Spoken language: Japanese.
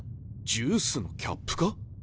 ジュースのキャップか？